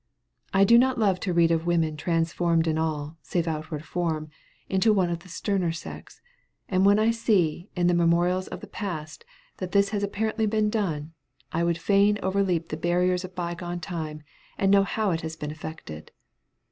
I love not to read of women transformed in all, save outward form, into one of the sterner sex; and when I see, in the memorials of the past, that this has apparently been done, I would fain overleap the barriers of bygone time, and know how it has been effected.